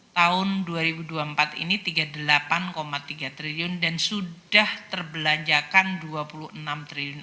tahun dua ribu dua puluh empat ini rp tiga puluh delapan tiga triliun dan sudah terbelanjakan rp dua puluh enam triliun